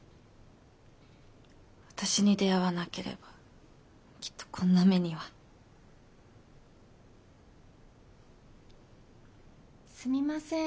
私に出会わなければきっとこんな目には。すみません。